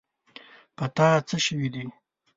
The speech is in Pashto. په تا څه شوي دي.